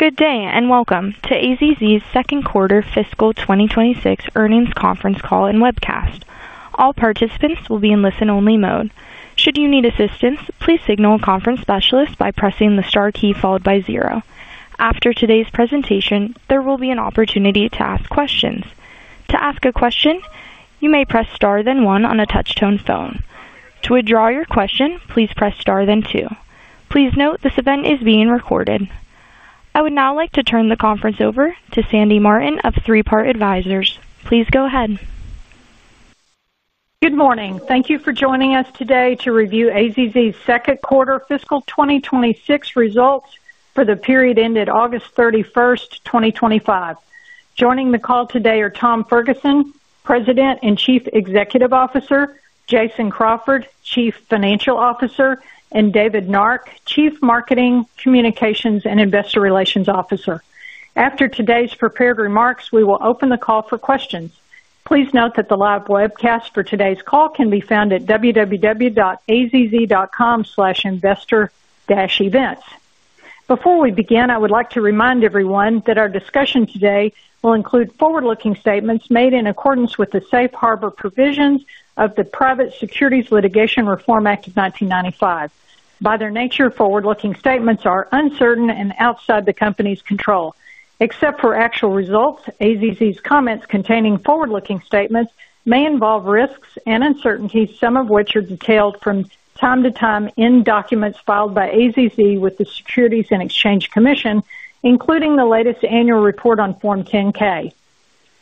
Good day and welcome to AZZ's second quarter fiscal 2026 earnings conference call and webcast. All participants will be in listen-only mode. Should you need assistance, please signal a conference specialist by pressing the star key followed by zero. After today's presentation, there will be an opportunity to ask questions. To ask a question, you may press star then one on a touch-tone phone. To withdraw your question, please press star then two. Please note this event is being recorded. I would now like to turn the conference over to Sandra Martin of Three Part Advisors. Please go ahea Good morning. Thank you for joining us today to review AZZ's second quarter fiscal 2026 results for the period ended August 31, 2025. Joining the call today are Tom Ferguson, President and Chief Executive Officer, Jason Crawford, Chief Financial Officer, and David Nark, Chief Marketing, Communications, and Investor Relations Officer. After today's prepared remarks, we will open the call for questions. Please note that the live webcast for today's call can be found at www.azz.com/investor-events. Before we begin, I would like to remind everyone that our discussion today will include forward-looking statements made in accordance with the Safe Harbor provisions of the Private Securities Litigation Reform Act of 1995. By their nature, forward-looking statements are uncertain and outside the company's control. Except for actual results, AZZ's comments containing forward-looking statements may involve risks and uncertainties, some of which are detailed from time to time in documents filed by AZZ with the Securities and Exchange Commission, including the latest annual report on Form 10-K.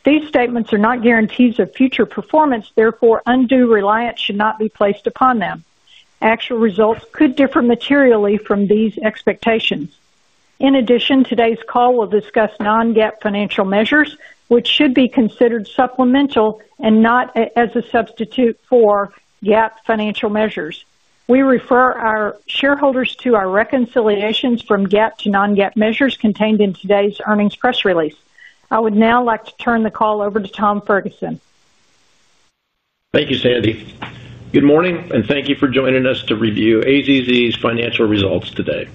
These statements are not guarantees of future performance, therefore, undue reliance should not be placed upon them. Actual results could differ materially from these expectations. In addition, today's call will discuss non-GAAP financial measures, which should be considered supplemental and not as a substitute for GAAP financial measures. We refer our shareholders to our reconciliations from GAAP to non-GAAP measures contained in today's earnings press release. I would now like to turn the call over to Tom Ferguson. Thank you, Sandy. Good morning and thank you for joining us to review AZZ's financial results today.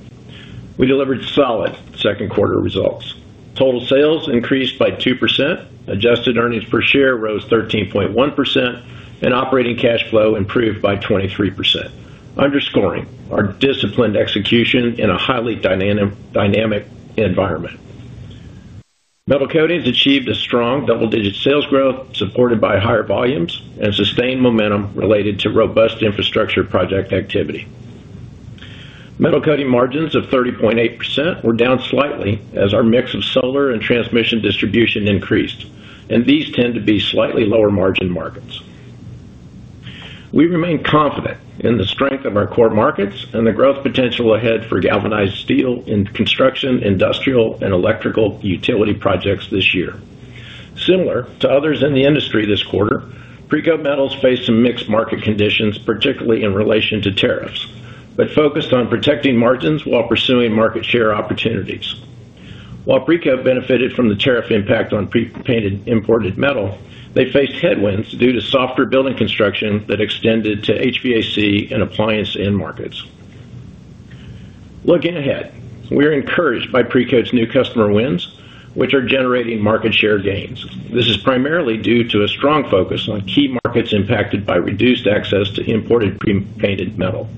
We delivered solid second quarter results. Total sales increased by 2%, adjusted earnings per share rose 13.1%, and operating cash flow improved by 23%, underscoring our disciplined execution in a highly dynamic environment. Metal Coatings has achieved strong double-digit sales growth supported by higher volumes and sustained momentum related to robust infrastructure project activity. Metal Coatings margins of 30.8% were down slightly as our mix of solar and transmission distribution increased, and these tend to be slightly lower margin markets. We remain confident in the strength of our core markets and the growth potential ahead for galvanized steel in construction, industrial, and electrical utility projects this year. Similar to others in the industry this quarter, Precoat Metals faced some mixed market conditions, particularly in relation to tariffs, but focused on protecting margins while pursuing market share opportunities. While Precoat benefited from the tariff impact on pre-painted imported metal, they faced headwinds due to softer building construction that extended to HVAC and appliance end markets. Looking ahead, we're encouraged by Precoat's new customer wins, which are generating market share gains. This is primarily due to a strong focus on key markets impacted by reduced access to imported pre-painted metal,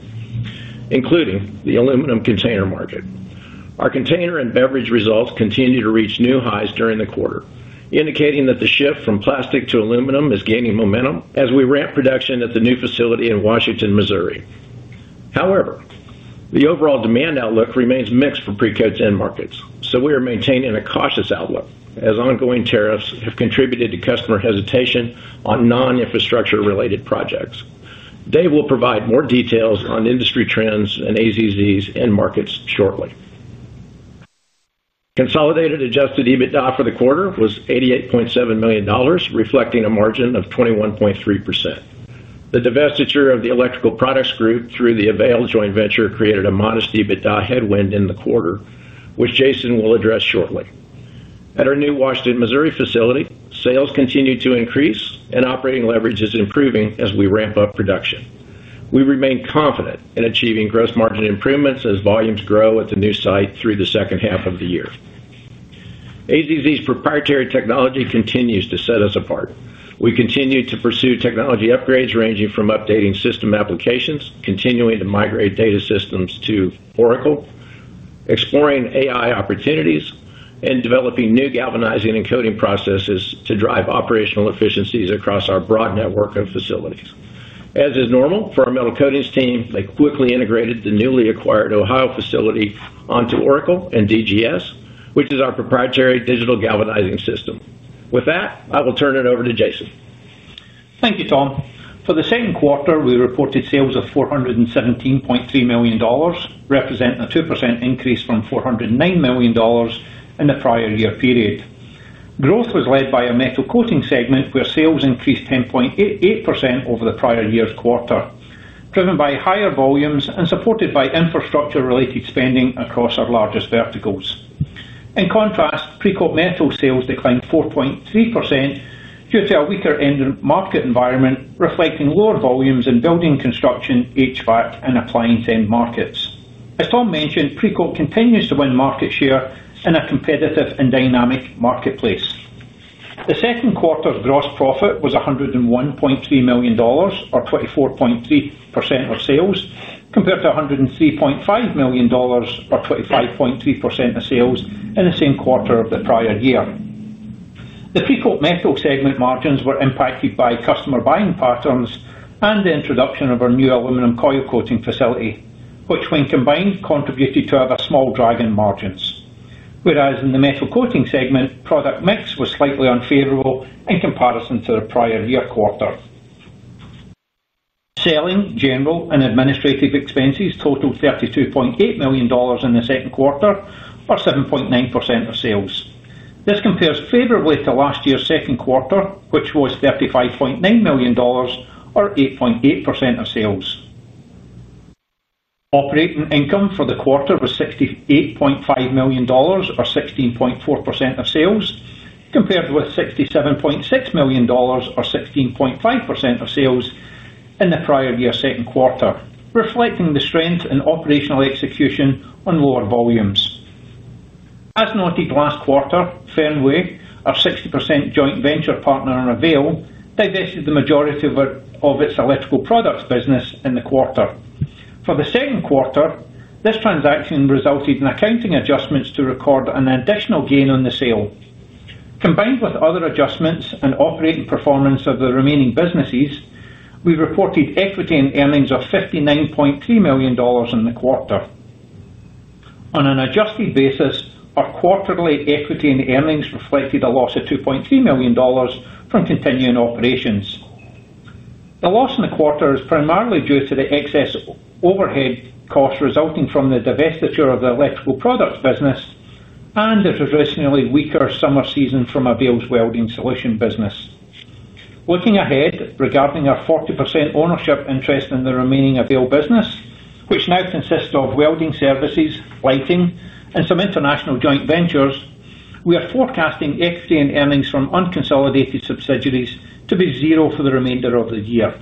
including the aluminum container market. Our container and beverage results continue to reach new highs during the quarter, indicating that the shift from plastic to aluminum is gaining momentum as we ramp production at the new facility in Washington, Missouri. However, the overall demand outlook remains mixed for Precoat's end markets, so we are maintaining a cautious outlook as ongoing tariffs have contributed to customer hesitation on non-infrastructure-related projects. Dave will provide more details on industry trends and AZZ's end markets shortly. Consolidated adjusted EBITDA for the quarter was $88.7 million, reflecting a margin of 21.3%. The divestiture of the electrical products group through the AVAIL joint venture created a modest EBITDA headwind in the quarter, which Jason will address shortly. At our new Washington, Missouri facility, sales continue to increase and operating leverage is improving as we ramp up production. We remain confident in achieving gross margin improvements as volumes grow at the new site through the second half of the year. AZZ's proprietary technology continues to set us apart. We continue to pursue technology upgrades ranging from updating system applications, continuing to migrate data systems to Oracle, exploring AI opportunities, and developing new galvanizing and coating processes to drive operational efficiencies across our broad network of facilities. As is normal for our Metal Coatings team, they quickly integrated the newly acquired Ohio facility onto Oracle and DGS, which is our proprietary digital galvanizing system. With that, I will turn it over to Jason. Thank you, Tom. For the second quarter, we reported sales of $417.3 million, representing a 2% increase from $409 million in the prior year period. Growth was led by our Metal Coatings segment, where sales increased 10.88% over the prior year's quarter, driven by higher volumes and supported by infrastructure-related spending across our largest verticals. In contrast, Precoat Metals' sales declined 4.3% due to a weaker end-market environment, reflecting lower volumes in building construction, HVAC, and appliance end markets. As Tom mentioned, Precoat continues to win market share in a competitive and dynamic marketplace. The second quarter's gross profit was $101.3 million, or 24.3% of sales, compared to $103.5 million, or 25.3% of sales in the same quarter of the prior year. The Precoat Metals segment margins were impacted by customer buying patterns and the introduction of our new aluminum coil coating facility, which, when combined, contributed to other small drag on margins. Whereas in the Metal Coatings segment, product mix was slightly unfavorable in comparison to the prior year quarter. Selling, general, and administrative expenses totaled $32.8 million in the second quarter, or 7.9% of sales. This compares favorably to last year's second quarter, which was $35.9 million, or 8.8% of sales. Operating income for the quarter was $68.5 million, or 16.4% of sales, compared with $67.6 million, or 16.5% of sales in the prior year's second quarter, reflecting the strength in operational execution on lower volumes. As noted last quarter, Fenway, our 60% joint venture partner in AVAIL, divested the majority of its electrical products business in the quarter. For the second quarter, this transaction resulted in accounting adjustments to record an additional gain on the sale. Combined with other adjustments and operating performance of the remaining businesses, we reported equity in earnings of $59.3 million in the quarter. On an adjusted basis, our quarterly equity in earnings reflected a loss of $2.3 million from continuing operations. The loss in the quarter is primarily due to the excess overhead costs resulting from the divestiture of the electrical products business and the traditionally weaker summer season from AVAIL's welding solution business. Looking ahead, regarding our 40% ownership interest in the remaining AVAIL business, which now consists of welding services, lighting, and some international joint ventures, we are forecasting equity in earnings from unconsolidated subsidiaries to be zero for the remainder of the year.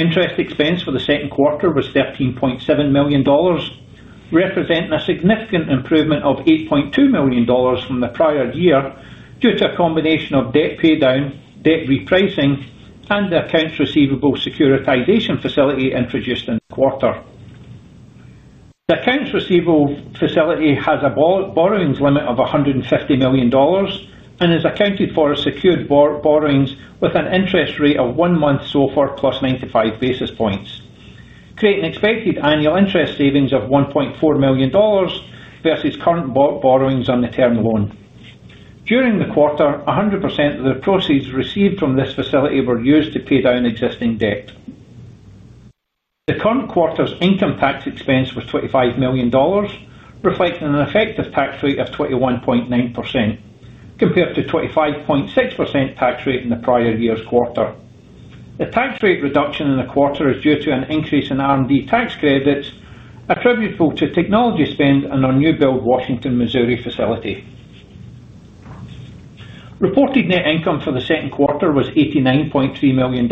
Interest expense for the second quarter was $13.7 million, representing a significant improvement of $8.2 million from the prior year due to a combination of debt paydown, debt repricing, and the accounts receivable securitization facility introduced in the quarter. The accounts receivable facility has a borrowings limit of $150 million and is accounted for as secured borrowings with an interest rate of one month SOFR plus 95 basis points, creating expected annual interest savings of $1.4 million versus current borrowings on the term loan. During the quarter, 100% of the proceeds received from this facility were used to pay down existing debt. The current quarter's income tax expense was $25 million, reflecting an effective tax rate of 21.9% compared to a 25.6% tax rate in the prior year's quarter. The tax rate reduction in the quarter is due to an increase in R&D tax credits attributable to technology spend on our new Build Washington, Missouri facility. Reported net income for the second quarter was $89.3 million,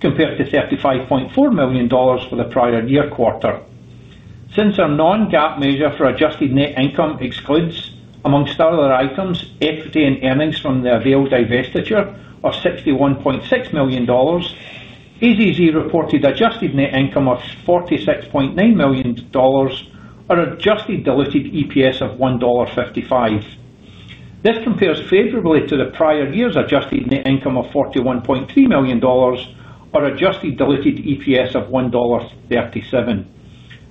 compared to $35.4 million for the prior year quarter. Since our non-GAAP measure for adjusted net income excludes, amongst other items, equity in earnings from the AVAIL divestiture of $61.6 million, AZZ reported adjusted net income of $46.9 million or adjusted diluted EPS of $1.55. This compares favorably to the prior year's adjusted net income of $41.3 million or adjusted diluted EPS of $1.57,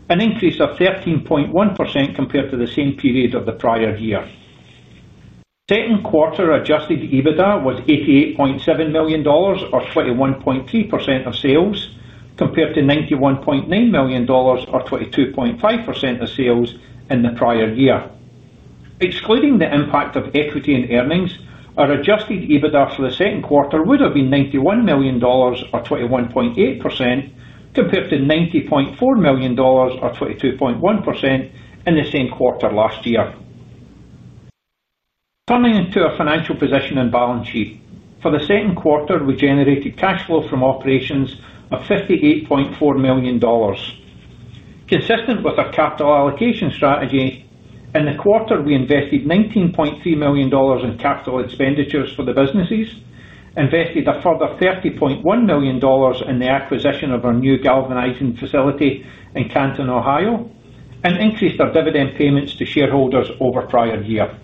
an increase of 13.1% compared to the same period of the prior year. Second quarter adjusted EBITDA was $88.7 million or 21.3% of sales compared to $91.9 million or 22.5% of sales in the prior year. Excluding the impact of equity in earnings, our adjusted EBITDA for the second quarter would have been $91 million or 21.8% compared to $90.4 million or 22.1% in the same quarter last year. Turning to our financial position and balance sheet, for the second quarter, we generated cash flow from operations of $58.4 million. Consistent with our capital allocation strategy, in the quarter we invested $19.3 million in capital expenditures for the businesses, invested a further $30.1 million in the acquisition of our new galvanizing facility in Canton, Ohio, and increased our dividend payments to shareholders over the prior year.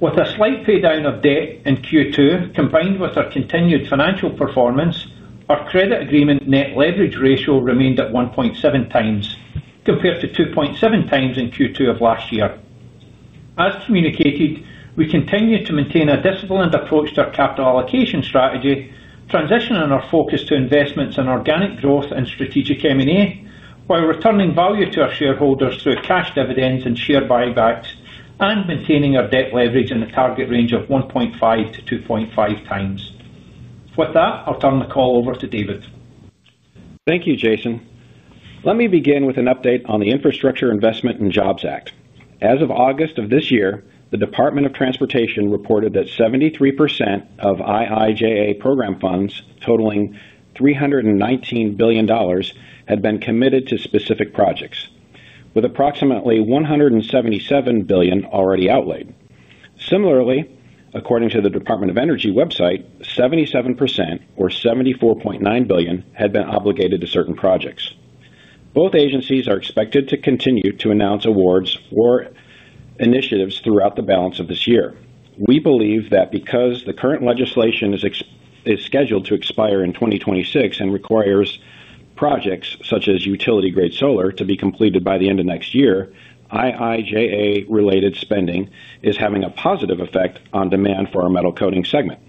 With a slight paydown of debt in Q2, combined with our continued financial performance, our credit agreement net leverage ratio remained at 1.7 times, compared to 2.7 times in Q2 of last year. As communicated, we continue to maintain a disciplined approach to our capital allocation strategy, transitioning our focus to investments in organic growth and strategic M&A, while returning value to our shareholders through cash dividends and share buybacks and maintaining our debt leverage in the target range of 1.5-2.5 times. With that, I'll turn the call over to David. Thank you, Jason. Let me begin with an update on the Infrastructure Investment and Jobs Act. As of August of this year, the Department of Transportation reported that 73% of IIJA program funds, totaling $319 billion, had been committed to specific projects, with approximately $177 billion already outlaid. Similarly, according to the Department of Energy website, 77%, or $74.9 billion, had been obligated to certain projects. Both agencies are expected to continue to announce awards for initiatives throughout the balance of this year. We believe that because the current legislation is scheduled to expire in 2026 and requires projects such as utility-grade solar to be completed by the end of next year, IIJA-related spending is having a positive effect on demand for our Metal Coatings segment.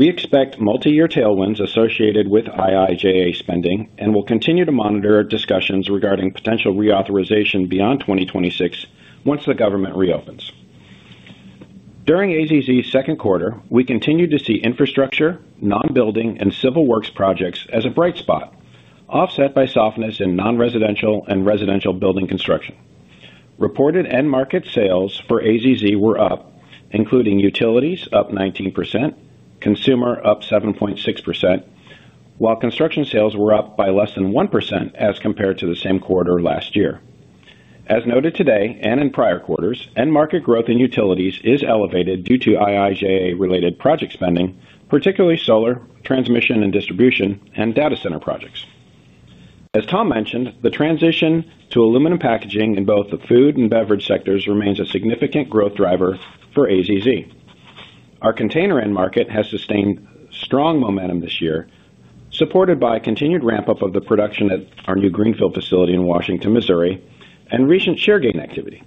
We expect multi-year tailwinds associated with IIJA spending and will continue to monitor discussions regarding potential reauthorization beyond 2026 once the government reopens. During AZZ's second quarter, we continued to see infrastructure, non-building, and civil works projects as a bright spot, offset by softness in non-residential and residential building construction. Reported end-market sales for AZZ were up, including utilities up 19%, consumer up 7.6%, while construction sales were up by less than 1% as compared to the same quarter last year. As noted today and in prior quarters, end-market growth in utilities is elevated due to IIJA-related project spending, particularly solar, transmission and distribution, and data center projects. As Tom mentioned, the transition to aluminum packaging in both the food and beverage sectors remains a significant growth driver for AZZ. Our container end-market has sustained strong momentum this year, supported by continued ramp-up of the production at our new Greenfield facility in Washington, Missouri, and recent share gain activity.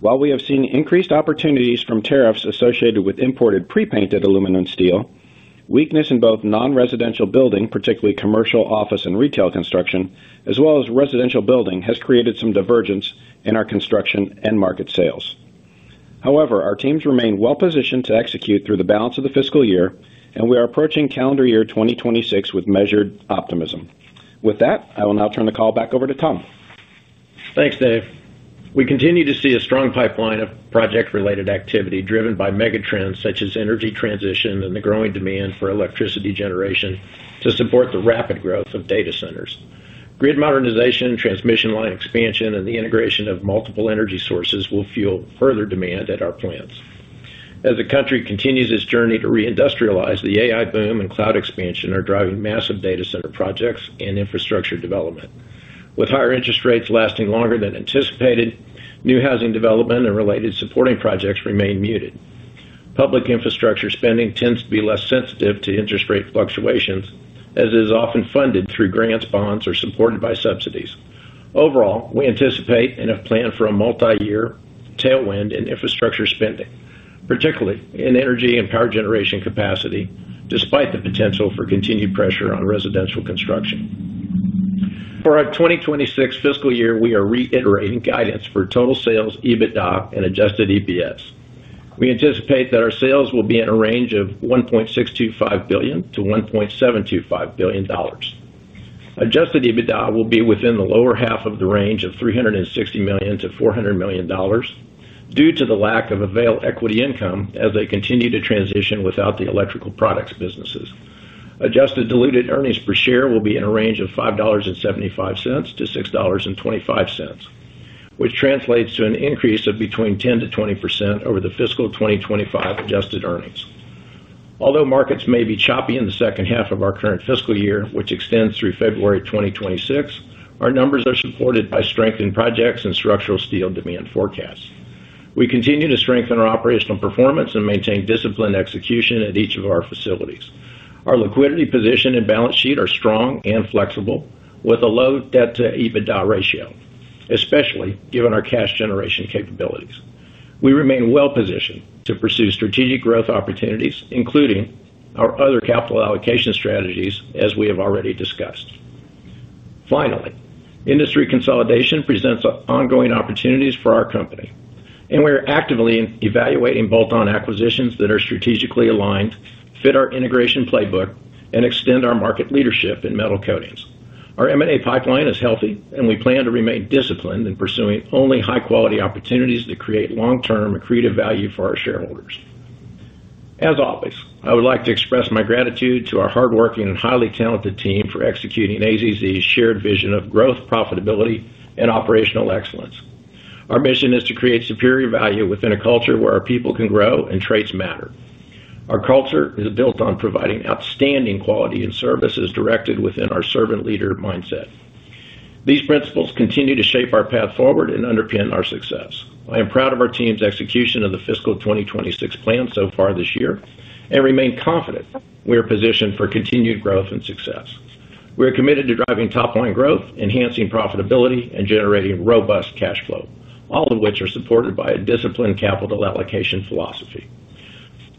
While we have seen increased opportunities from tariffs associated with imported pre-painted aluminum steel, weakness in both non-residential building, particularly commercial, office, and retail construction, as well as residential building, has created some divergence in our construction end-market sales. However, our teams remain well-positioned to execute through the balance of the fiscal year, and we are approaching calendar year 2026 with measured optimism. With that, I will now turn the call back over to Tom. Thanks, Dave. We continue to see a strong pipeline of project-related activity driven by mega trends such as energy transition and the growing demand for electricity generation to support the rapid growth of data centers. Grid modernization, transmission line expansion, and the integration of multiple energy sources will fuel further demand at our plants. As the country continues its journey to reindustrialize, the AI boom and cloud expansion are driving massive data center projects and infrastructure development. With higher interest rates lasting longer than anticipated, new housing development and related supporting projects remain muted. Public infrastructure spending tends to be less sensitive to interest rate fluctuations, as it is often funded through grants, bonds, or supported by subsidies. Overall, we anticipate and have planned for a multi-year tailwind in infrastructure spending, particularly in energy and power generation capacity, despite the potential for continued pressure on residential construction. For our 2026 fiscal year, we are reiterating guidance for total sales, EBITDA, and adjusted EPS. We anticipate that our sales will be in a range of $1.625 billion-$1.725 billion. Adjusted EBITDA will be within the lower half of the range of $360 million-$400 million due to the lack of AVAIL equity income as they continue to transition without the electrical products businesses. Adjusted diluted earnings per share will be in a range of $5.75-$6.25, which translates to an increase of between 10%-20% over the fiscal 2025 adjusted earnings. Although markets may be choppy in the second half of our current fiscal year, which extends through February 2026, our numbers are supported by strength in projects and structural steel demand forecasts. We continue to strengthen our operational performance and maintain disciplined execution at each of our facilities. Our liquidity position and balance sheet are strong and flexible, with a low debt-to-EBITDA ratio, especially given our cash generation capabilities. We remain well-positioned to pursue strategic growth opportunities, including our other capital allocation strategies as we have already discussed. Finally, industry consolidation presents ongoing opportunities for our company, and we are actively evaluating bolt-on acquisitions that are strategically aligned, fit our integration playbook, and extend our market leadership in metal coatings. Our M&A pipeline is healthy, and we plan to remain disciplined in pursuing only high-quality opportunities that create long-term and accretive value for our shareholders. As always, I would like to express my gratitude to our hardworking and highly talented team for executing AZZ's shared vision of growth, profitability, and operational excellence. Our mission is to create superior value within a culture where our people can grow and traits matter. Our culture is built on providing outstanding quality and services directed within our servant leader mindset. These principles continue to shape our path forward and underpin our success. I am proud of our team's execution of the fiscal 2026 plan so far this year and remain confident we are positioned for continued growth and success. We are committed to driving top-line growth, enhancing profitability, and generating robust cash flow, all of which are supported by a disciplined capital allocation philosophy.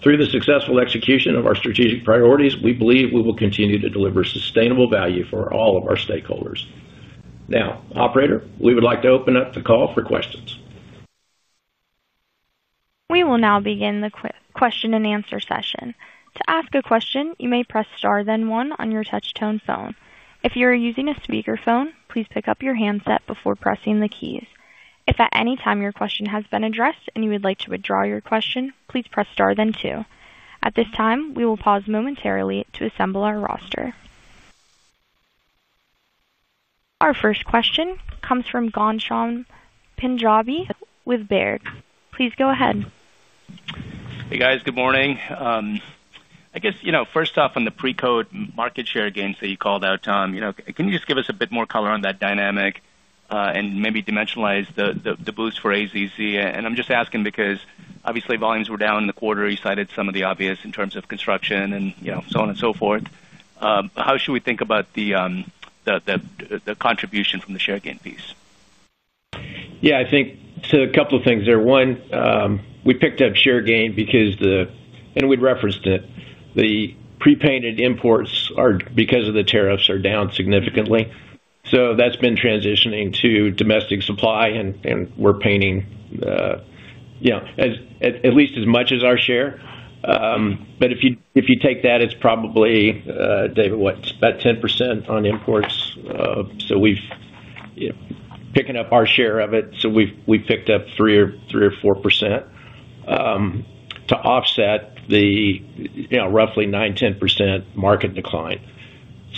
Through the successful execution of our strategic priorities, we believe we will continue to deliver sustainable value for all of our stakeholders. Now, operator, we would like to open up the call for questions. We will now begin the question-and-answer session. To ask a question, you may press star then one on your touch-tone phone. If you are using a speaker phone, please pick up your handset before pressing the keys. If at any time your question has been addressed and you would like to withdraw your question, please press star then two. At this time, we will pause momentarily to assemble our roster. Our first question comes from Ghansham Panjabi with Baird. Please go ahead. Hey guys, good morning. I guess, you know, first off on the Precoat market share gains that you called out, Tom, you know, can you just give us a bit more color on that dynamic and maybe dimensionalize the boost for AZZ? I'm just asking because obviously volumes were down in the quarter. You cited some of the obvious in terms of construction and, you know, so on and so forth. How should we think about the contribution from the share gain piece? Yeah, I think a couple of things there. One, we picked up share gain because the, and we'd referenced it, the pre-painted imports are, because of the tariffs, are down significantly. That's been transitioning to domestic supply and we're painting, you know, at least as much as our share. If you take that, it's probably, David, what, about 10% on imports. We've, you know, picking up our share of it. We've picked up 3% or 4% to offset the,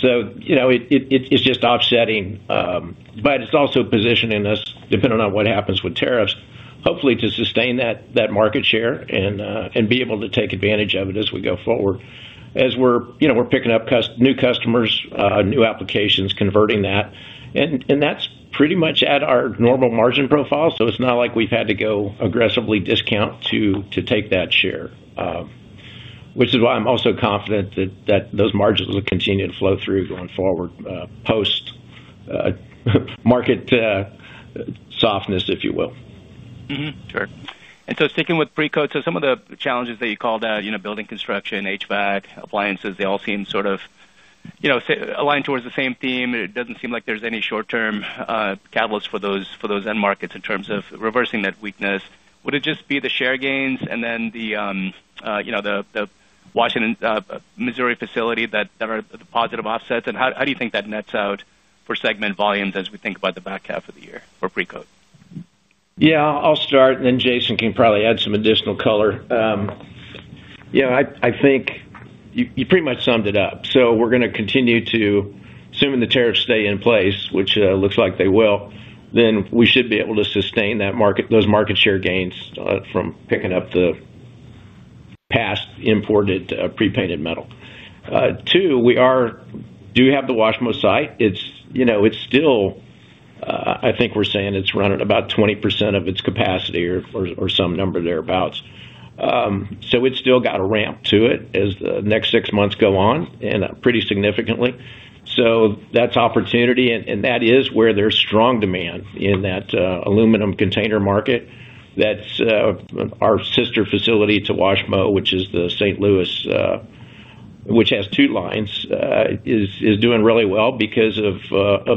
you know, roughly 9%, 10% market decline. It's just offsetting, but it's also positioning us, depending on what happens with tariffs, hopefully to sustain that market share and be able to take advantage of it as we go forward. As we're, you know, we're picking up new customers, new applications, converting that, and that's pretty much at our normal margin profile. It's not like we've had to go aggressively discount to take that share, which is why I'm also confident that those margins will continue to flow through going forward post-market softness, if you will. Sure. Sticking with Precoat Metals, some of the challenges that you called out—building construction, HVAC, appliances—they all seem sort of aligned towards the same theme. It doesn't seem like there's any short-term catalyst for those end markets in terms of reversing that weakness. Would it just be the share gains and then the Washington, Missouri facility that are the positive offsets? How do you think that nets out for segment volumes as we think about the back half of the year for Precoat Metals? Yeah, I'll start and then Jason can probably add some additional color. I think you pretty much summed it up. We're going to continue to, assuming the tariffs stay in place, which looks like they will, then we should be able to sustain those market share gains from picking up the past imported pre-painted metal. Two, we do have the Washington, Missouri site. It's still, I think we're saying it's running about 20% of its capacity or some number thereabouts. It's still got a ramp to it as the next six months go on and pretty significantly. That's opportunity and that is where there's strong demand in that aluminum container market. Our sister facility to Washington, Missouri, which is the St. Louis, which has two lines, is doing really well because of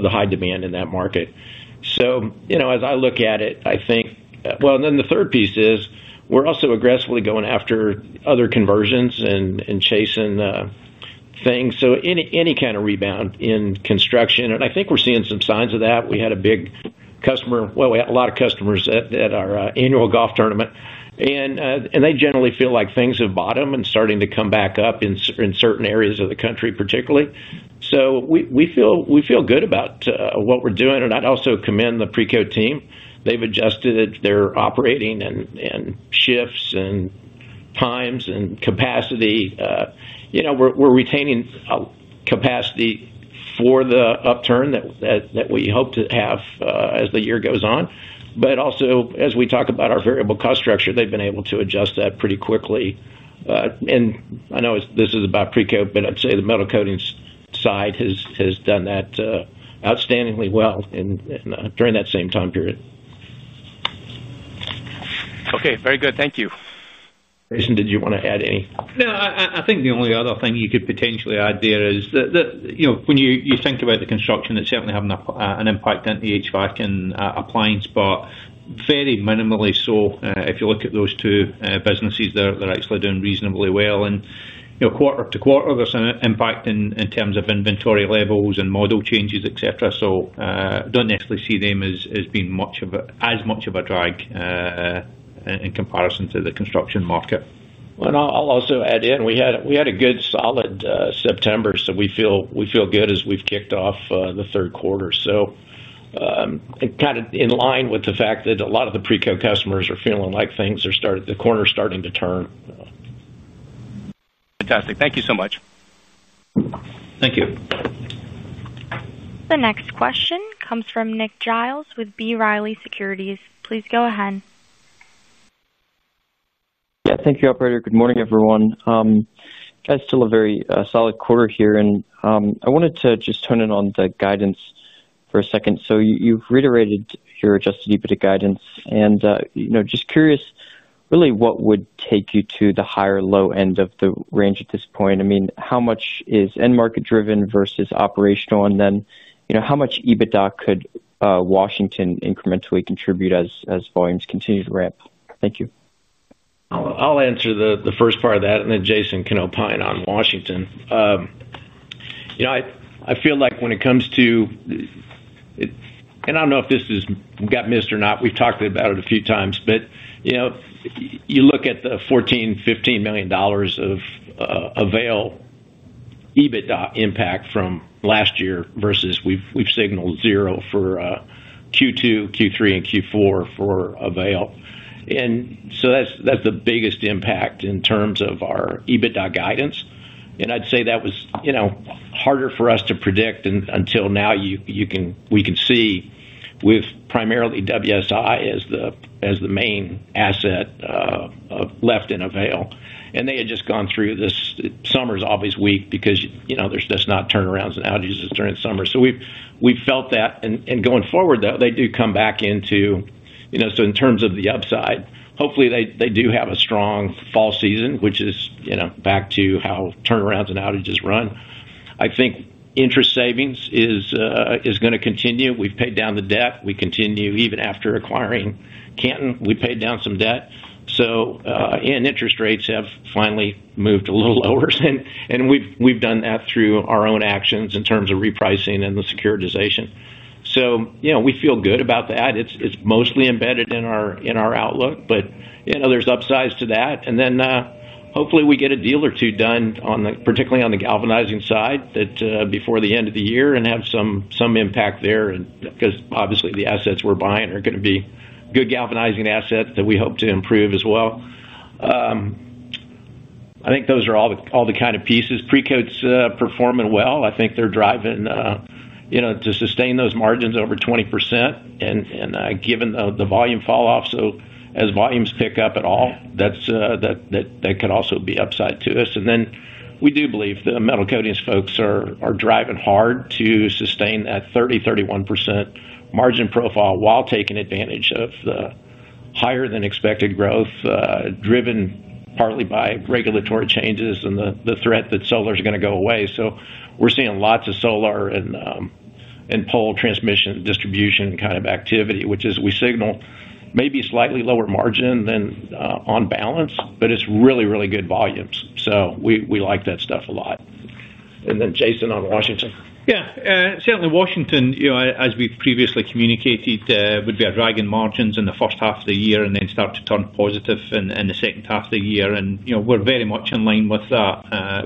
the high demand in that market. As I look at it, I think, and then the third piece is we're also aggressively going after other conversions and chasing things. Any kind of rebound in construction, and I think we're seeing some signs of that. We had a big customer, we had a lot of customers at our annual golf tournament, and they generally feel like things have bottomed and are starting to come back up in certain areas of the country, particularly. We feel good about what we're doing, and I'd also commend the Precoat Metals team. They've adjusted their operating and shifts and times and capacity. We're retaining capacity for the upturn that we hope to have as the year goes on. Also, as we talk about our variable cost structure, they've been able to adjust that pretty quickly. I know this is about Precoat Metals, but I'd say the Metal Coatings side has done that outstandingly well during that same time period. Okay, very good. Thank you. Jason, did you want to add any? No, I think the only other thing you could potentially add there is that, you know, when you think about the construction, it's certainly having an impact on the HVAC and appliance, but very minimally. If you look at those two businesses, they're actually doing reasonably well. Quarter to quarter, there's an impact in terms of inventory levels and model changes, etc. I don't actually see them as being much of a drag in comparison to the construction market. I'll also add in, we had a good solid September, so we feel good as we've kicked off the third quarter. Kind of in line with the fact that a lot of the Precoat Metals customers are feeling like things are starting, the corner is starting to turn. Fantastic. Thank you so much. Thank you. The next question comes from Nicholas Giles with B. Riley Securities. Please go ahead. Thank you, operator. Good morning, everyone. It's still a very solid quarter here, and I wanted to just turn in on the guidance for a second. You've reiterated your adjusted EBITDA guidance, and you know, just curious, really what would take you to the higher low end of the range at this point? I mean, how much is end market driven versus operational, and then, you know, how much EBITDA could Washington incrementally contribute as volumes continue to ramp? Thank you. I'll answer the first part of that, and then Jason can opine on Washington. I feel like when it comes to, and I don't know if this has got missed or not, we've talked about it a few times, but you look at the $14 million, $15 million of AVAIL EBITDA impact from last year versus we've signaled zero for Q2, Q3, and Q4 for AVAIL. That's the biggest impact in terms of our EBITDA guidance. I'd say that was harder for us to predict, and until now, we can see with primarily WSI as the main asset left in AVAIL. They had just gone through this summer's obvious weak because there's just not turnarounds and outages during the summer. We've felt that, and going forward, though, they do come back into, in terms of the upside, hopefully they do have a strong fall season, which is back to how turnarounds and outages run. I think interest savings is going to continue. We've paid down the debt. We continue, even after acquiring Canton, we paid down some debt. Interest rates have finally moved a little lower, and we've done that through our own actions in terms of repricing and the securitization. We feel good about that. It's mostly embedded in our outlook, but there are upsides to that. Hopefully we get a deal or two done, particularly on the galvanizing side before the end of the year and have some impact there, because obviously the assets we're buying are going to be good galvanizing assets that we hope to improve as well. I think those are all the kind of pieces. Precoat's performing well. I think they're driving to sustain those margins over 20%, and given the volume falloff, as volumes pick up at all, that could also be upside to us. We do believe the metal coatings folks are driving hard to sustain that 30%-31% margin profile while taking advantage of the higher than expected growth, driven partly by regulatory changes and the threat that solar is going to go away. We're seeing lots of solar and pole transmission and distribution kind of activity, which we signal maybe slightly lower margin than on balance, but it's really, really good volumes. We like that stuff a lot. Jason on Washington. Yeah, certainly Washington, you know, as we previously communicated, would be a drag in margins in the first half of the year and then start to turn positive in the second half of the year. We're very much in line with that,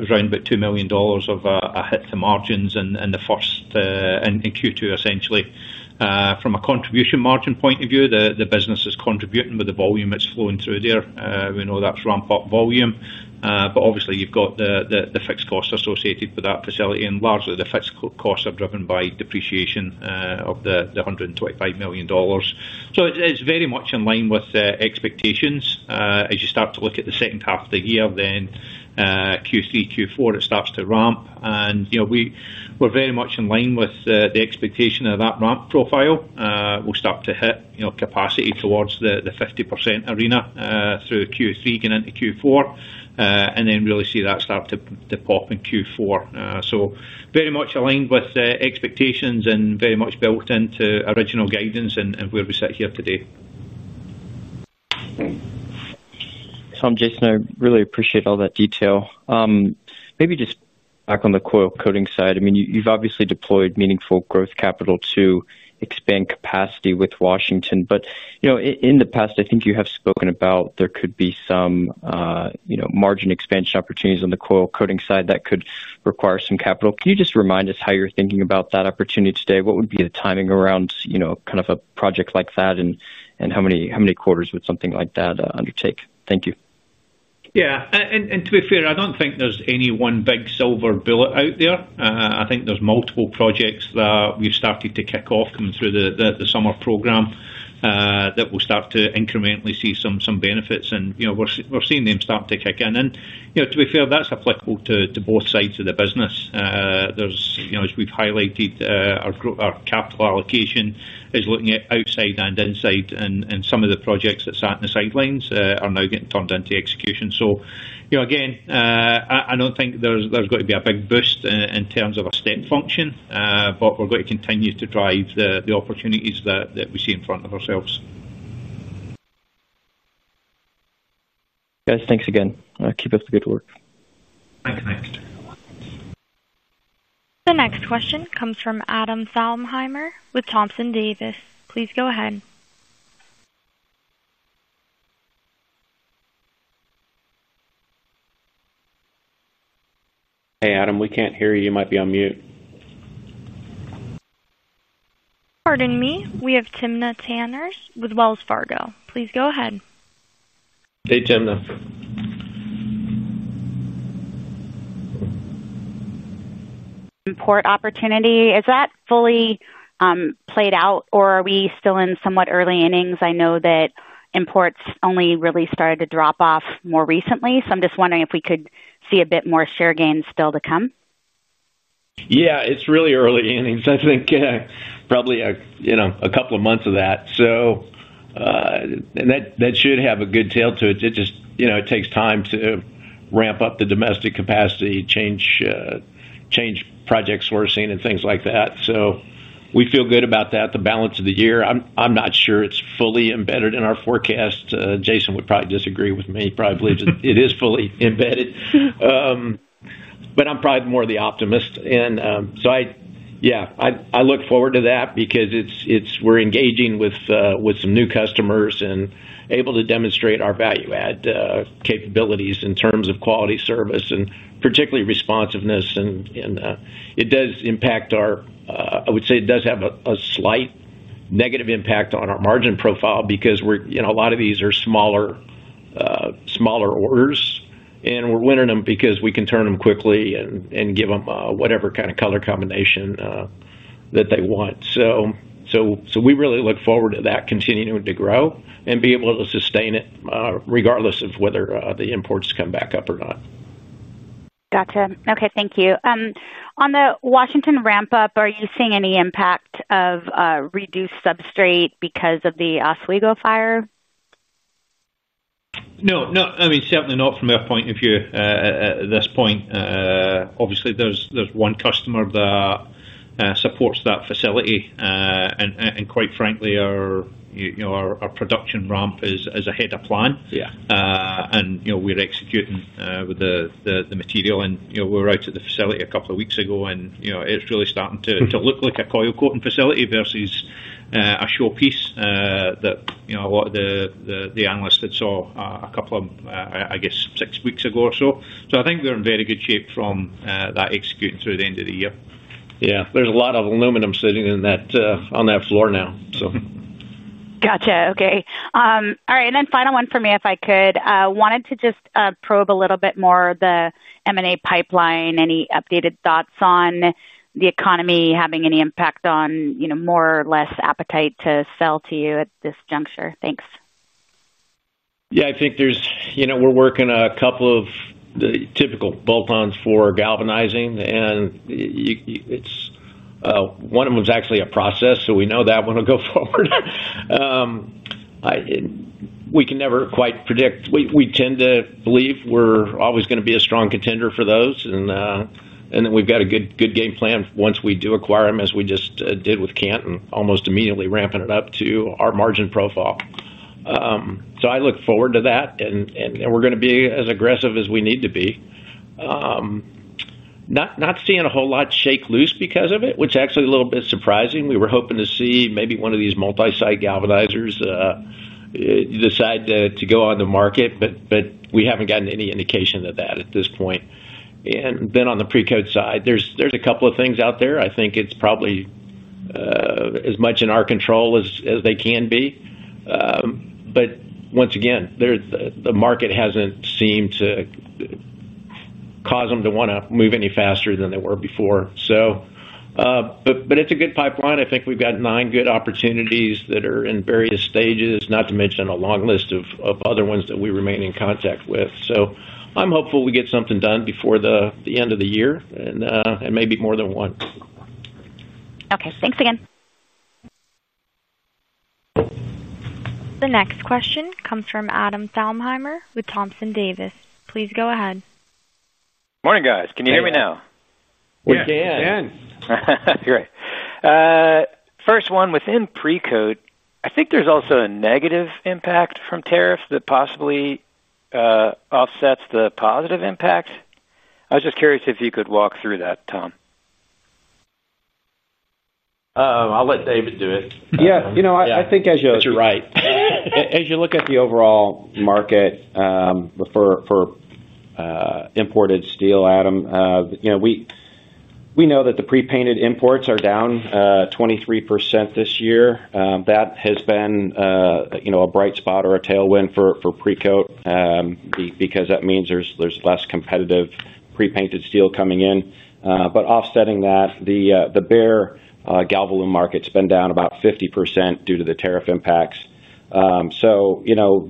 around about $2 million of a hit to margins in the first and Q2 essentially. From a contribution margin point of view, the business is contributing with the volume it's flowing through there. We know that's ramp-up volume, but obviously you've got the fixed costs associated with that facility and largely the fixed costs are driven by depreciation of the $125 million. It's very much in line with expectations. As you start to look at the second half of the year, then Q3, Q4 it starts to ramp and we're very much in line with the expectation of that ramp profile. We'll start to hit capacity towards the 50% arena through Q3 getting into Q4 and then really see that start to pop in Q4. Very much aligned with expectations and very much built into original guidance and where we sit here today. Tom, Jason, I really appreciate all that detail. Maybe just back on the coating side, you've obviously deployed meaningful growth capital to expand capacity with Washington, but in the past I think you have spoken about there could be some margin expansion opportunities on the coating side that could require some capital. Can you just remind us how you're thinking about that opportunity today? What would be the timing around kind of a project like that and how many quarters would something like that undertake? Thank you. Yeah, to be fair, I don't think there's any one big silver bullet out there. I think there's multiple projects that we've started to kick off coming through the summer program that we'll start to incrementally see some benefits, and we're seeing them start to kick in. To be fair, that's applicable to both sides of the business. As we've highlighted, our capital allocation is looking at outside and inside, and some of the projects that sat on the sidelines are now getting turned into execution. I don't think there's going to be a big boost in terms of a step function, but we're going to continue to drive the opportunities that we see in front of ourselves. Guys, thanks again. Keep up the good work. Thank you, next. The next question comes from Adam Thalhimer with Thompson Davis & Company. Please go ahead. Hey Adam, we can't hear you. You might be on mute. Pardon me, we have Timna Tanners with Wells Fargo. Please go ahead. Hey Timna. Import opportunity, is that fully played out or are we still in somewhat early innings? I know that imports only really started to drop off more recently, so I'm just wondering if we could see a bit more share gains still to come. Yeah, it's really early innings. I think probably, you know, a couple of months of that. That should have a good tail to it. It just takes time to ramp up the domestic capacity, change projects we're seeing and things like that. We feel good about that. The balance of the year, I'm not sure it's fully embedded in our forecast. Jason would probably disagree with me. Probably believes it is fully embedded. I'm probably more of the optimist. I look forward to that because we're engaging with some new customers and able to demonstrate our value-add capabilities in terms of quality service and particularly responsiveness. It does impact our, I would say it does have a slight negative impact on our margin profile because we're, you know, a lot of these are smaller, smaller orders and we're winning them because we can turn them quickly and give them whatever kind of color combination that they want. We really look forward to that continuing to grow and be able to sustain it regardless of whether the imports come back up or not. Gotcha. Okay, thank you. On the Washington ramp-up, are you seeing any impact of reduced substrate because of the Oswego fire? No, I mean, certainly not from our point of view at this point. Obviously, there's one customer that supports that facility, and quite frankly, our production ramp is ahead of plan. Yeah, we're executing with the material, and we were out at the facility a couple of weeks ago, and it's really starting to look like a coil coating facility versus a showpiece that a lot of the analysts had seen, I guess, six weeks ago or so. I think we're in very good shape from that, executing through the end of the year. Yeah, there's a lot of aluminum sitting on that floor now. Gotcha. Okay. All right. Final one for me, if I could. I wanted to just probe a little bit more the M&A pipeline. Any updated thoughts on the economy having any impact on, you know, more or less appetite to sell to you at this juncture? Thanks. Yeah, I think there's, you know, we're working a couple of the typical bolt-ons for galvanizing and one of them is actually a process, so we know that one will go forward. We can never quite predict. We tend to believe we're always going to be a strong contender for those. We've got a good game plan once we do acquire them, as we just did with Canton, almost immediately ramping it up to our margin profile. I look forward to that and we're going to be as aggressive as we need to be. Not seeing a whole lot shake loose because of it, which is actually a little bit surprising. We were hoping to see maybe one of these multi-site galvanizers decide to go on the market, but we haven't gotten any indication of that at this point. On the Precoat side, there's a couple of things out there. I think it's probably as much in our control as they can be. Once again, the market hasn't seemed to cause them to want to move any faster than they were before. It's a good pipeline. I think we've got nine good opportunities that are in various stages, not to mention a long list of other ones that we remain in contact with. I'm hopeful we get something done before the end of the year and maybe more than one. Okay, thanks again. The next question comes from Adam Thalhimer with Thompson Davis & Company. Please go ahead. Morning guys, can you hear me now? We can. Yeah, we can. That's great. First one within Precoat, I think there's also a negative impact from tariffs that possibly offsets the positive impact. I was just curious if you could walk through that, Tom. I'll let David do it. Yeah, you know, I think as you're right, as you look at the overall market for imported steel, Adam, you know, we know that the pre-painted imports are down 23% this year. That has been, you know, a bright spot or a tailwind for Precoat because that means there's less competitive pre-painted steel coming in. Offsetting that, the bare galvalume market's been down about 50% due to the tariff impacts.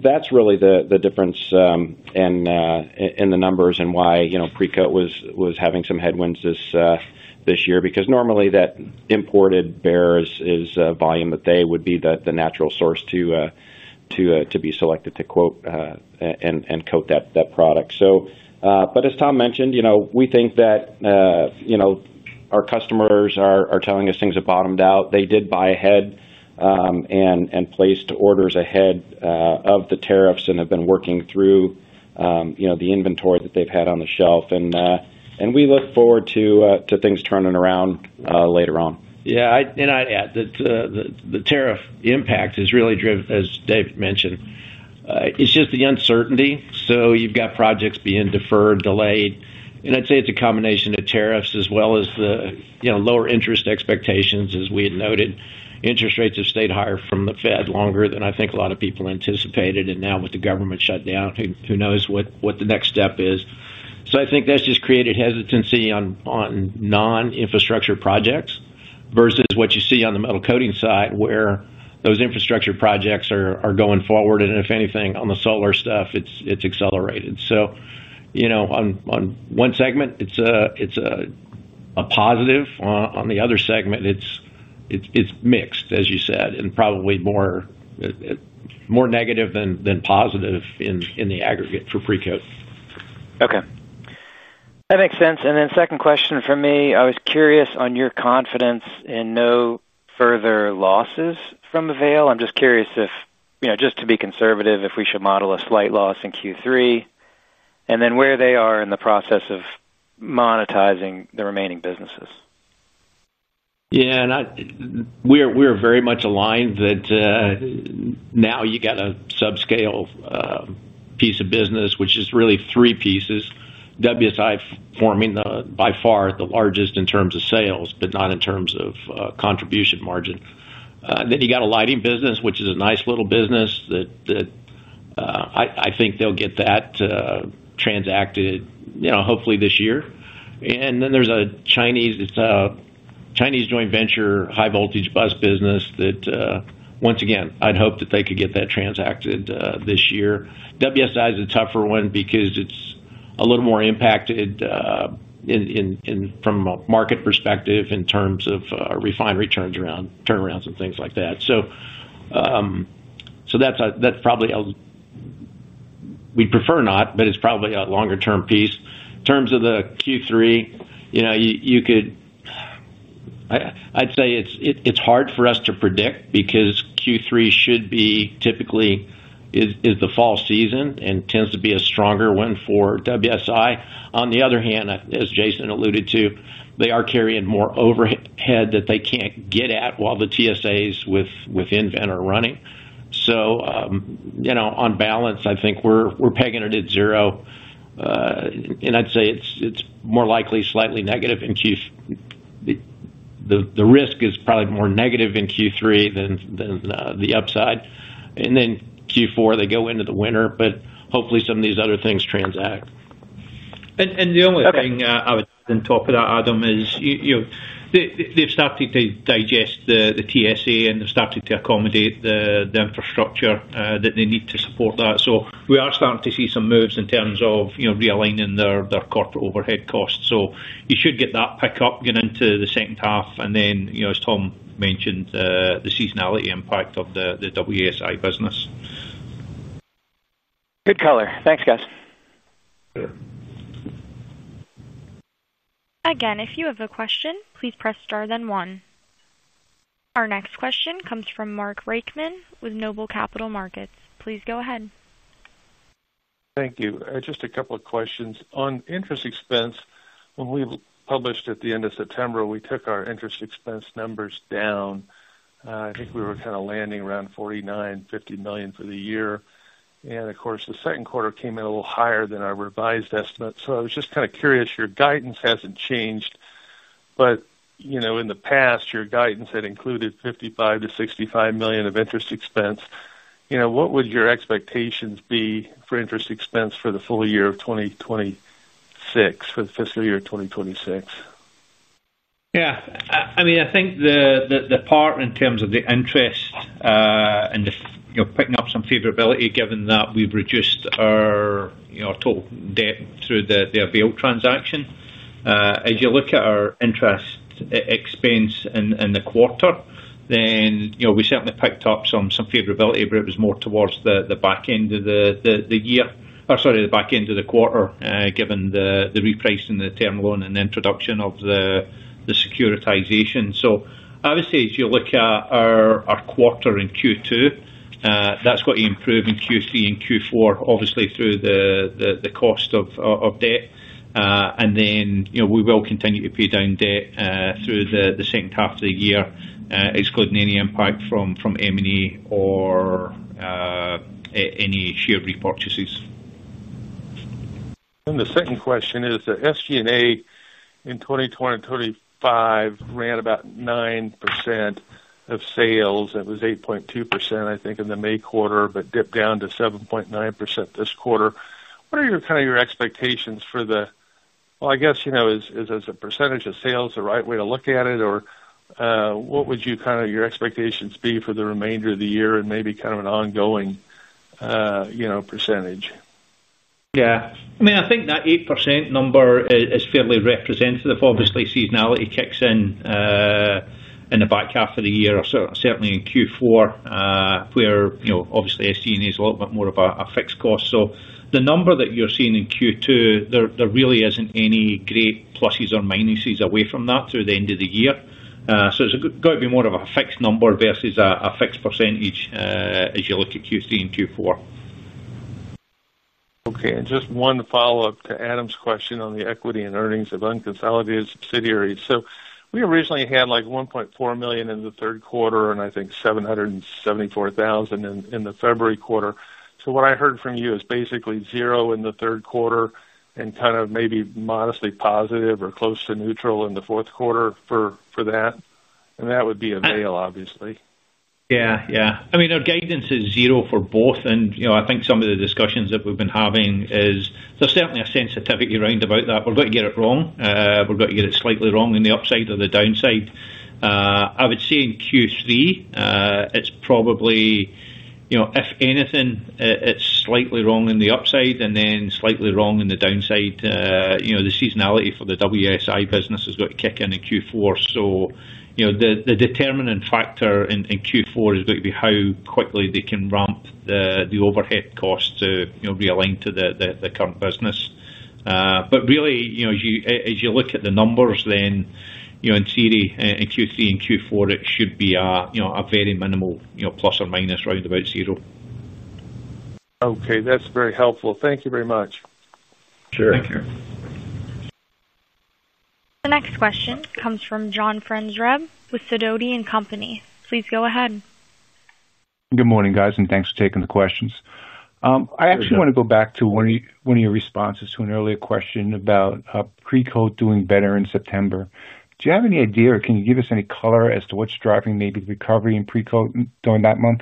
That's really the difference in the numbers and why, you know, Precoat was having some headwinds this year because normally that imported bare is a volume that they would be the natural source to be selected to quote and coat that product. As Tom mentioned, you know, we think that, you know, our customers are telling us things have bottomed out. They did buy ahead and placed orders ahead of the tariffs and have been working through, you know, the inventory that they've had on the shelf. We look forward to things turning around later on. I'd add that the tariff impact is really driven, as David mentioned, it's just the uncertainty. You've got projects being deferred, delayed, and I'd say it's a combination of tariffs as well as the, you know, lower interest expectations. As we had noted, interest rates have stayed higher from the Fed longer than I think a lot of people anticipated. Now with the government shutdown, who knows what the next step is? I think that's just created hesitancy on non-infrastructure projects versus what you see on the Metal Coatings side where those infrastructure projects are going forward. If anything, on the solar stuff, it's accelerated. On one segment, it's a positive. On the other segment, it's mixed, as you said, and probably more negative than positive in the aggregate for Precoat. Okay, that makes sense. My second question, I was curious on your confidence in no further losses from AVAIL. I'm just curious if, you know, just to be conservative, if we should model a slight loss in Q3, and then where they are in the process of monetizing the remaining businesses. Yeah, and we are very much aligned that now you've got a subscale piece of business, which is really three pieces. WSI forming by far the largest in terms of sales, but not in terms of contribution margin. Then you've got a lighting business, which is a nice little business that I think they'll get that transacted, hopefully this year. Then there's a Chinese joint venture high voltage bus business that once again, I'd hope that they could get that transacted this year. WSI is a tougher one because it's a little more impacted from a market perspective in terms of refined returns around turnarounds and things like that. That's probably we'd prefer not, but it's probably a longer term piece. In terms of the Q3, you could, I'd say it's hard for us to predict because Q3 should be typically the fall season and tends to be a stronger win for WSI. On the other hand, as Jason alluded to, they are carrying more overhead that they can't get at while the TSAs within VEN are running. On balance, I think we're pegging it at zero. I'd say it's more likely slightly negative in Q3. The risk is probably more negative in Q3 than the upside. In Q4, they go into the winter, but hopefully some of these other things transact. The only thing I would then talk about, Adam, is they've started to digest the TSA and they've started to accommodate the infrastructure that they need to support that. We are starting to see some moves in terms of realigning their corporate overhead costs. You should get that pick up, get into the second half, and then, you know, as Tom mentioned, the seasonality impact of the WSI business. Good color. Thanks, guys. Again, if you have a question, please press star then one. Our next question comes from Mark La France Reichman with Noble Capital Markets. Please go ahead. Thank you. Just a couple of questions. On interest expense, when we published at the end of September, we took our interest expense numbers down. I think we were kind of landing around $49 million, $50 million for the year. Of course, the second quarter came in a little higher than our revised estimate. I was just kind of curious, your guidance hasn't changed, but in the past, your guidance had included $55 million-$65 million of interest expense. What would your expectations be for interest expense for the full year of 2026, for the fiscal year of 2026? Yeah, I mean, I think the part in terms of the interest and the, you know, picking up some favorability given that we've reduced our, you know, total debt through the AVAIL transaction. As you look at our interest expense in the quarter, you know, we certainly picked up some favorability, but it was more towards the back end of the year, or sorry, the back end of the quarter, given the repricing of the term loan and the introduction of the securitization. I would say as you look at our quarter in Q2, that's going to improve in Q3 and Q4, obviously through the cost of debt. We will continue to pay down debt through the second half of the year, excluding any impact from M&A or any share repurchases. The second question is that SG&A in 2020 and 2025 ran about 9% of sales. It was 8.2% in the May quarter, but dipped down to 7.9% this quarter. What are your expectations for the, is as a percentage of sales the right way to look at it, or what would your expectations be for the remainder of the year and maybe an ongoing percentage? Yeah, I mean, I think that 8% number is fairly representative. Obviously, seasonality kicks in in the back half of the year, or certainly in Q4, where SG&A is a little bit more of a fixed cost. The number that you're seeing in Q2, there really isn't any great pluses or minuses away from that through the end of the year. It's got to be more of a fixed number versus a fixed percentage as you look at Q3 and Q4. Okay, and just one follow-up to Adam's question on the equity and earnings of unconsolidated subsidiaries. We originally had $1.4 million in the third quarter and I think $774,000 in the February quarter. What I heard from you is basically zero in the third quarter and kind of maybe modestly positive or close to neutral in the fourth quarter for that. That would be AVAIL, obviously. Yeah, yeah. I mean, our guidance is zero for both. I think some of the discussions that we've been having is there's certainly a sensitivity around about that. We've got to get it wrong. We've got to get it slightly wrong in the upside or the downside. I would say in Q3, it's probably, if anything, it's slightly wrong in the upside and then slightly wrong in the downside. The seasonality for the WSI business has got to kick in in Q4. The determinant factor in Q4 has got to be how quickly they can ramp the overhead costs to realign to the current business. Really, as you look at the numbers, then, in theory in Q3 and Q4, it should be a very minimal, plus or minus round about zero. Okay, that's very helpful. Thank you very much. Sure. Thank you. The next question comes from John Franzreb with Sidoti & Company. Please go ahead. Good morning, guys, and thanks for taking the questions. I actually want to go back to one of your responses to an earlier question about Precoat doing better in September. Do you have any idea or can you give us any color as to what's driving maybe the recovery in Precoat during that month?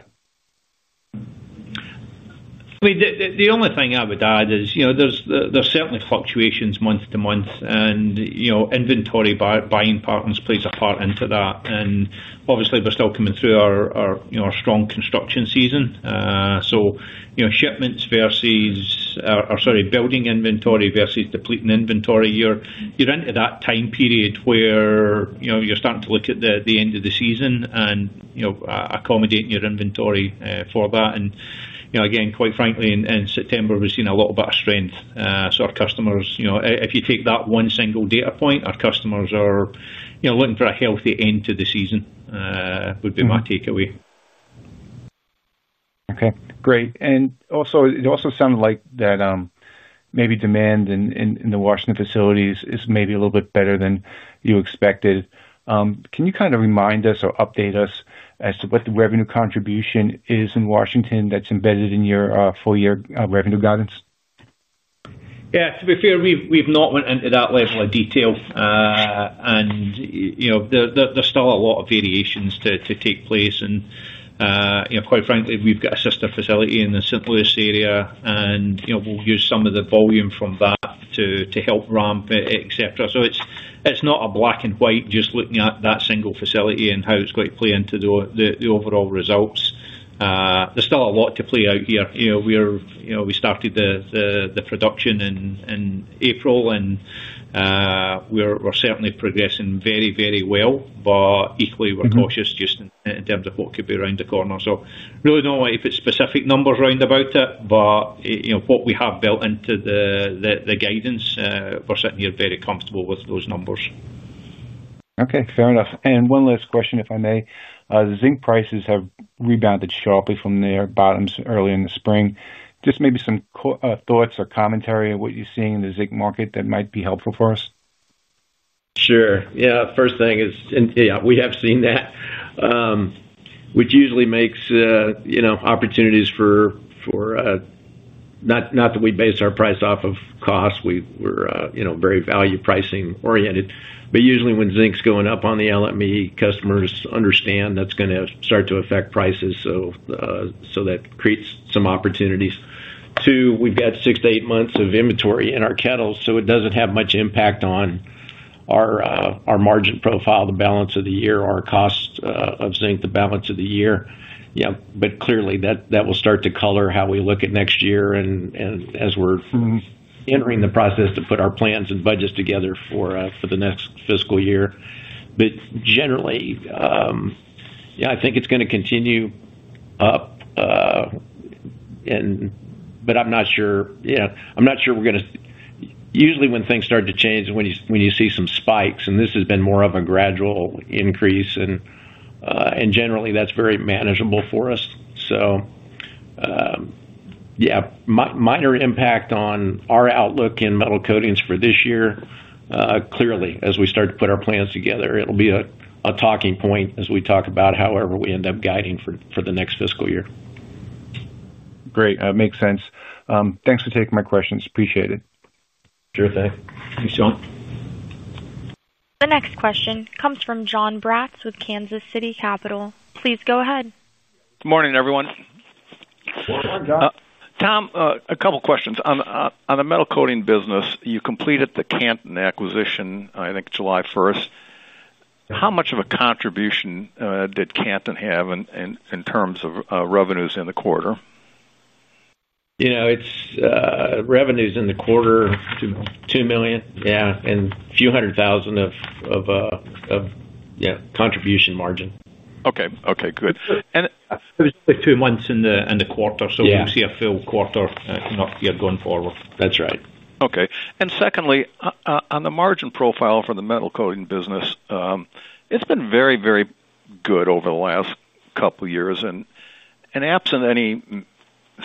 The only thing I would add is, you know, there's certainly fluctuations month to month, and inventory buying patterns play a part into that. Obviously, we're still coming through our strong construction season. Shipments versus, or sorry, building inventory versus depleting inventory, you're into that time period where you're starting to look at the end of the season and accommodating your inventory for that. Quite frankly, in September, we've seen a little bit of strength. Our customers, if you take that one single data point, are looking for a healthy end to the season, would be my takeaway. Okay, great. It also sounds like that maybe demand in the Washington facility is maybe a little bit better than you expected. Can you kind of remind us or update us as to what the revenue contribution is in Washington that's embedded in your full-year revenue guidance? Yeah, to be fair, we've not gone into that level of detail. There's still a lot of variations to take place. Quite frankly, we've got a sister facility in the St. Louis area, and we'll use some of the volume from that to help ramp it, etc. It's not a black and white, just looking at that single facility and how it's going to play into the overall results. There's still a lot to play out here. We started the production in April, and we're certainly progressing very, very well, but equally, we're cautious just in terms of what could be around the corner. I really don't know if it's specific numbers around about it, but what we have built into the guidance, we're sitting here very comfortable with those numbers. Okay, fair enough. One last question, if I may. The zinc prices have rebounded sharply from their bottoms early in the spring. Just maybe some thoughts or commentary on what you're seeing in the zinc market that might be helpful for us. Sure. Yeah, first thing is, yeah, we have seen that, which usually makes, you know, opportunities for, not that we base our price off of cost, we're, you know, very value pricing oriented. Usually when zinc's going up on the LME, customers understand that's going to start to affect prices, so that creates some opportunities. Two, we've got six to eight months of inventory in our kettle, so it doesn't have much impact on our margin profile the balance of the year, or our cost of zinc the balance of the year. Yeah, clearly that will start to color how we look at next year and as we're entering the process to put our plans and budgets together for the next fiscal year. Generally, yeah, I think it's going to continue up, but I'm not sure, you know, I'm not sure we're going to, usually when things start to change, when you see some spikes, and this has been more of a gradual increase, and generally that's very manageable for us. Yeah, minor impact on our outlook in Metal Coatings for this year. Clearly, as we start to put our plans together, it'll be a talking point as we talk about however we end up guiding for the next fiscal year. Great, that makes sense. Thanks for taking my questions, appreciate it. Sure thing. Thanks, John. The next question comes from Jonathan Paul Braatz with Kansas City Capital Associates. Please go ahead. Morning everyone. Hi, Jon. a couple of questions. On the Metal Coatings business, you completed the Canton acquisition, I think July 1. How much of a contribution did Canton have in terms of revenues in the quarter? You know, it's revenues in the quarter, $2 million, yeah, and a few hundred thousand of contribution margin. Okay, good. There are two months in the quarter, so you see a full quarter year going forward. That's right. Okay. Secondly, on the margin profile for the Metal Coatings business, it's been very, very good over the last couple of years. Absent any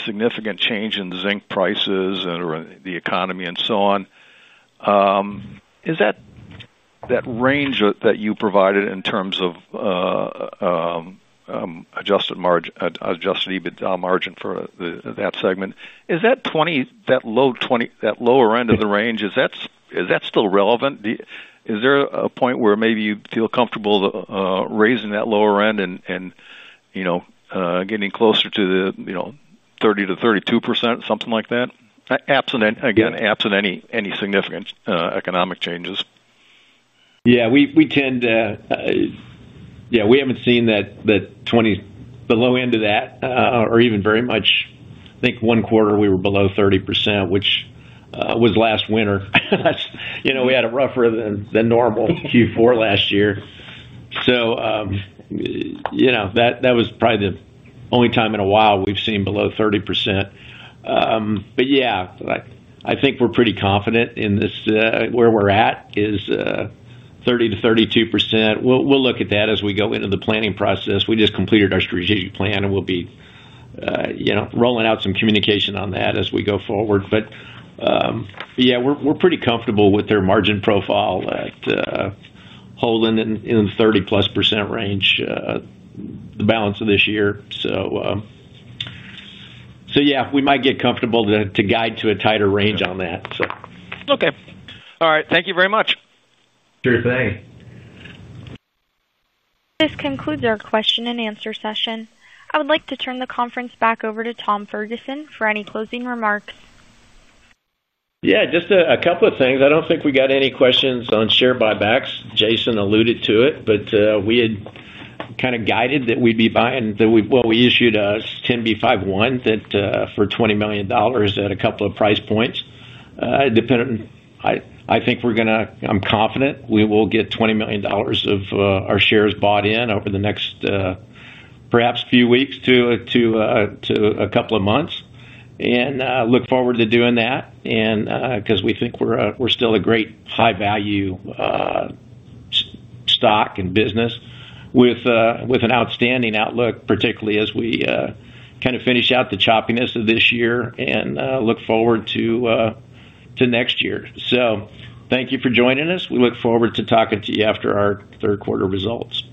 significant change in zinc prices or the economy and so on, is that range that you provided in terms of adjusted EBITDA margin for that segment, is that 20, that low 20, that lower end of the range, is that still relevant? Is there a point where maybe you feel comfortable raising that lower end and getting closer to the 30%-32%, something like that? Again, absent any significant economic changes. Yeah, we tend to, yeah, we haven't seen that, the 20 below end of that or even very much. I think one quarter we were below 30%, which was last winter. We had a rougher than normal Q4 last year. That was probably the only time in a while we've seen below 30%. I think we're pretty confident in this, where we're at is 30%-32%. We'll look at that as we go into the planning process. We just completed our strategic plan and we'll be rolling out some communication on that as we go forward. We're pretty comfortable with their margin profile at holding in the 30+% range the balance of this year. We might get comfortable to guide to a tighter range on that. Okay. All right. Thank you very much. Sure thing. This concludes our question-and-answer session. I would like to turn the conference back over to Tom Ferguson for any closing remarks. Yeah, just a couple of things. I don't think we got any questions on share buybacks. Jason alluded to it, but we had kind of guided that we'd be buying that we, we issued a 10B5-1 for $20 million at a couple of price points. I think we're going to, I'm confident we will get $20 million of our shares bought in over the next perhaps few weeks to a couple of months. I look forward to doing that because we think we're still a great high-value stock and business with an outstanding outlook, particularly as we kind of finish out the choppiness of this year and look forward to next year. Thank you for joining us. We look forward to talking to you after our third quarter results.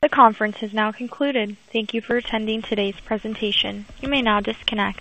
The conference has now concluded. Thank you for attending today's presentation. You may now disconnect.